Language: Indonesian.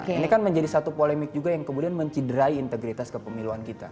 ini kan menjadi satu polemik juga yang kemudian menciderai integritas kepemiluan kita